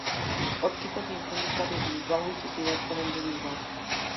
Orquesta Sinfónica de Bilbao y Sociedad Coral de Bilbao.